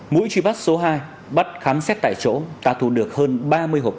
mũi trí pháp số hai bắt khám xét tại chỗ tạ thủ được hơn ba mươi hộp thuốc sinh tạp nvk xin một số